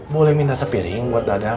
boleh minas sepiring buat dadang